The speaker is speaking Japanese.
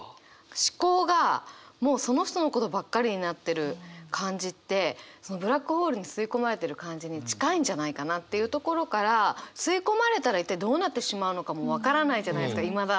思考がもうその人のことばっかりになってる感じってそのブラックホールに吸い込まれてる感じに近いんじゃないかなっていうところから吸い込まれたら一体どうなってしまうのかも分からないじゃないですかいまだ。